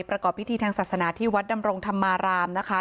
ประกอบพิธีทางศาสนาที่วัดดำรงธรรมารามนะคะ